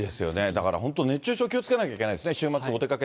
だから本当、熱中症気をつけなきゃいけないですよね。